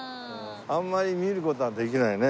あんまり見る事はできないね。